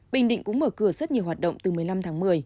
bình định cũng mở cửa rất nhiều hoạt động từ một mươi năm tháng một mươi